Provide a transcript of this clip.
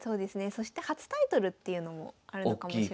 そして初タイトルっていうのもあるのかもしれないですね。